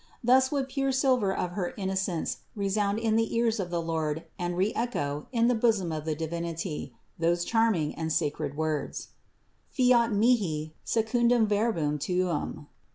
Thus would the pure silver of her innocence resound in the ears of the Lord and re echo, in the bosom of the Divinity, those charming and sacred words : "Fiat mihi secundum verbum tuum."